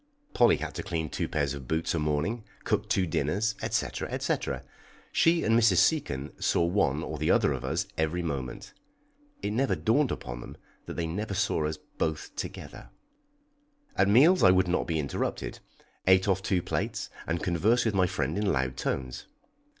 Polly had to clean two pairs of boots a morning, cook two dinners, &c., &c. She and Mrs. Seacon saw one or the other of us every moment; it never dawned upon them they never saw us both together. At meals I would not be interrupted, ate off two plates, and conversed with my friend in loud tones.